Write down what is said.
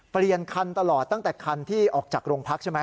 เปลี่ยนคันตลอดตั้งแต่คันที่ออกจากโรงพักใช่ไหม